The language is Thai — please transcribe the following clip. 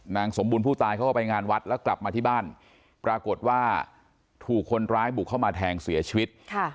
นางสมบูรณ์ผู้ตายเขาก็ไปงานวัดแล้วกลับมาที่บ้านปรากฏว่าถูกคนร้ายบุกเข้ามาแทงเสียชีวิต